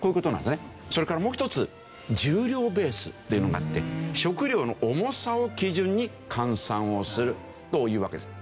それからもう一つ重量ベースっていうのがあって食料の重さを基準に換算をするというわけです。